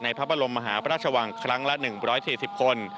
พระบรมมหาพระราชวังครั้งละ๑๔๐คน